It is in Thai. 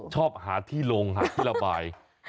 ชอบหาที่ลงหาที่ระบาย